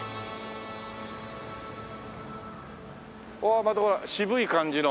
わあっまたほら渋い感じの。